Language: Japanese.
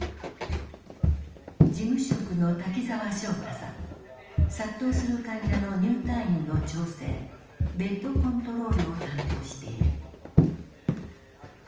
事務職の殺到する患者の入退院の調整ベッドコントロールを担当している。